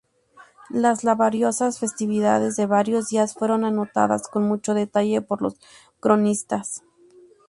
Las laboriosas festividades de varios días fueron anotadas con mucho detalle por los cronistas.